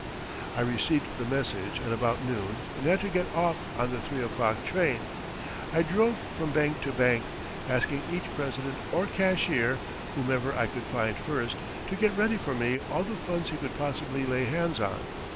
I received the message at about noon and had to get off on the three o'clock train. I drove from bank to bank, asking each president or cashier, whomever I could find first, to get ready for me all the funds he could possibly lay hands on.